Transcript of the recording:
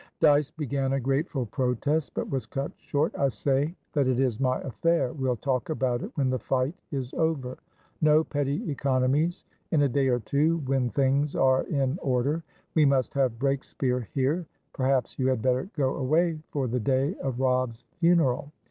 Dyce began a grateful protest, but was cut short. "I say that is my affair. We'll talk about it when the fight is over. No petty economies! In a day or two, when things are in order, we must have Breakspeare here. Perhaps you had better go away for the day of Robb's funeral.